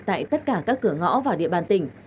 tại tất cả các cửa ngõ vào địa bàn tỉnh